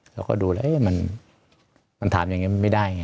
เขาก็ดูแล้วมันถามอย่างนี้มันไม่ได้ไง